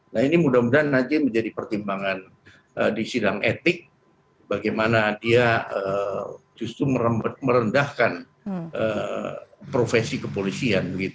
nah ini mudah mudahan nanti menjadi pertimbangan di sidang etik bagaimana dia justru merendahkan profesi kepolisian